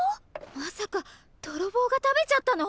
まさかどろぼうが食べちゃったの！？